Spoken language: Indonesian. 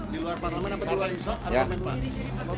di luar parlamen apa di luar iso